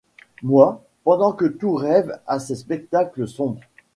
Moi, pendant que tout rêve à ces spectacles sombres